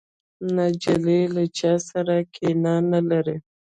نجلۍ له چا سره کینه نه لري.